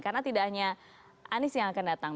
karena tidak hanya anies yang akan datang